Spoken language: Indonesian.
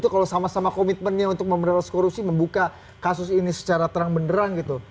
kalau sama sama komitmennya untuk memberantas korupsi membuka kasus ini secara terang benderang gitu